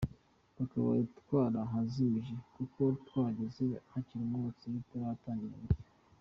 Twakabaye twarahazimije kuko twahageze hakiri umwotsi bitaratangira gushya.